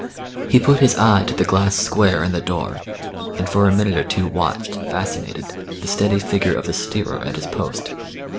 He put his eye to the glass square in the door, and for a minute or two watched, fascinated, the steady figure of the steerer at his post.